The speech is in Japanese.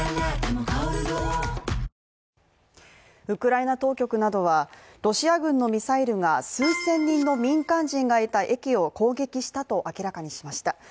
ウクライナ当局などはロシア軍のミサイルが数千人の民間人がいた駅を攻撃したと明らかにしました。